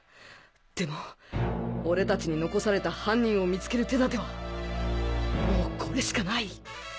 でも俺たちに残された犯人を見つける手立てはもうこれしかない